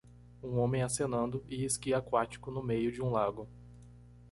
Um homem acenando e esqui aquático no meio de um lago.